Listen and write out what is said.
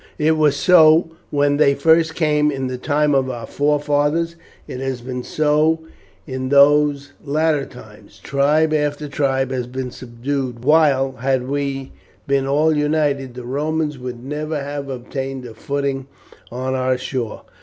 It was so when they first came in the time of our forefathers, it has been so in these latter times; tribe after tribe has been subdued; while, had we been all united, the Romans would never have obtained a footing on our shore.